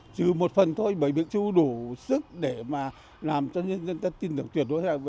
chứ một phần thôi bởi vì chưa đủ sức để mà làm cho nhân dân tin được tuyệt đối